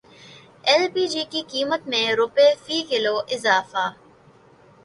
L P G کی قیمت میں روپے فی کلو اضافہ